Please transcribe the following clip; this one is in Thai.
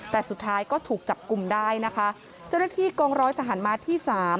แต่สุดท้ายก็ถูกจับกลุ่มได้นะคะเจ้าหน้าที่กองร้อยทหารมาที่สาม